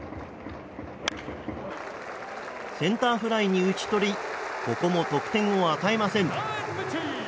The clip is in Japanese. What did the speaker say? センターフライに打ち取りここも得点を与えません。